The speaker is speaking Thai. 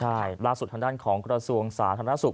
ใช่ล่าสุดทางด้านของกระทรวงสาธารณสุข